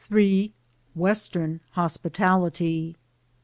WESTEEN HOSPITALITY.